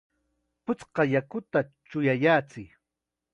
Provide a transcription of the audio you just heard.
¡Puchka yakuta chuyayachiy!